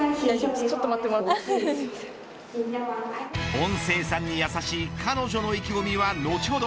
音声さんに優しい彼女の意気込みは後ほど。